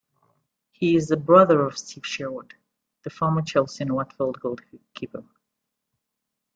He is the brother of Steve Sherwood, the former Chelsea and Watford goalkeeper.